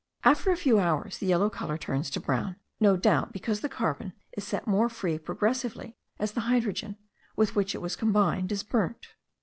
After a few hours the yellow colour turns to brown, no doubt because the carbon is set more free progressively as the hydrogen, with which it was combined, is burnt.